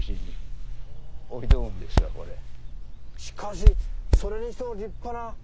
しかしそれにしても立派な。